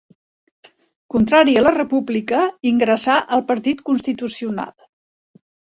Contrari a la república, ingressà al Partit Constitucional.